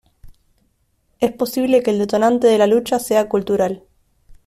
Es posible que el detonante de la lucha sea cultural.